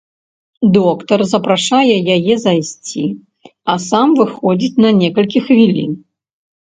Доктар запрашае яе зайсці, а сам выходзіць на некалькі хвілін.